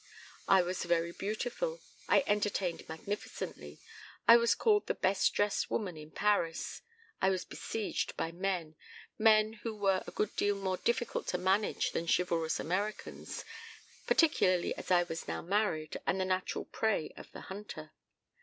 I was very beautiful, I entertained magnificently, I was called the best dressed woman in Paris, I was besieged by men men who were a good deal more difficult to manage than chivalrous Americans, particularly as I was now married and the natural prey of the hunter.